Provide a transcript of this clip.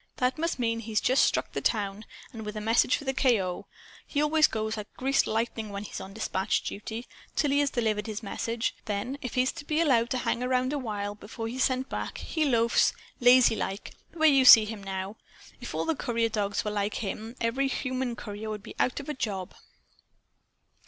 That must mean he's just struck the town, and with a message for the K.O. He always goes like greased lightning when he's on dispatch duty, till he has delivered his message. Then, if he's to be allowed to hang around a while before he's sent back, he loafs, lazy like; the way you see him now. If all the courier dogs were like him, every human courier would be out of a job."